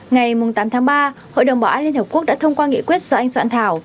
ngày tám tháng ba hội đồng bảo an liên hợp quốc đã thông qua nghị quyết do anh soạn thảo